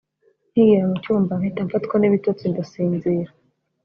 nkigera mu cyumba mpita mfatwa n’ibitotsi ndasinzira